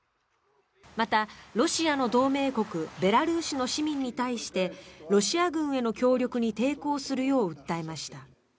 また、ロシアの同盟国ベラルーシの市民に対してロシア軍への協力に抵抗するよう訴えました。